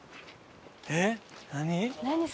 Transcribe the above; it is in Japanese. えっ何？